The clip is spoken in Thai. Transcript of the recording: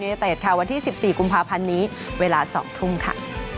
ในอินเตอร์เอสค่ะวันที่สิบสี่กุมภาพันธ์นี้เวลาสองทุ่มค่ะ